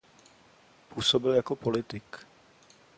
Působil jako politik.